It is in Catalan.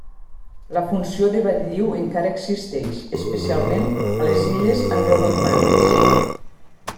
La funció de batlliu encara existeix, especialment a les illes Anglonormandes.